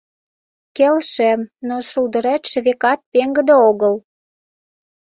Келшем, но шулдыретше, векат, пеҥгыде огыл.